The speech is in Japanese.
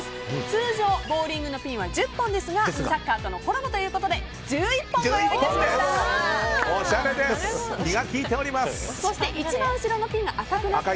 通常ボウリングのピンは１０本ですがサッカーとのコラボということで１１本用意致しました。